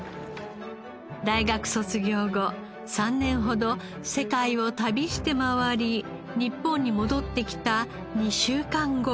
大学卒業後３年ほど世界を旅して回り日本に戻ってきた２週間後。